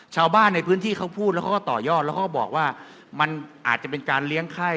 ชาวบ้านในพื้นที่เขาพูดแล้วเขาก็ต่อยอดแล้วเขาก็บอกว่ามันอาจจะเป็นการเลี้ยงไข้